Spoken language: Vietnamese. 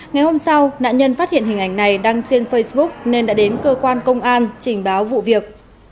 ngày hôm sau nạn nhân phát hiện hình ảnh này đăng trên facebook nên đã đến cơ quan công an trình báo vụ việc